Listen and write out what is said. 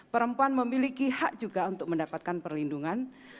perempuan memiliki hak juga untuk mendapatkan perlindungan